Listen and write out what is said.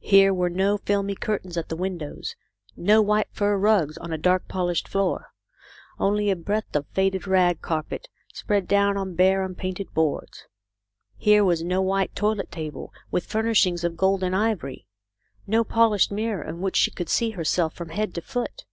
Here were no filmy curtains at the windows, no white fur rugs on a dark polished floor. Only a breadth of faded rag carpet, spread down on bare unpainted boards. Here was no white toilet table with furnishings of gold and ivory; no polished mirror in which she could see herself from head to foot.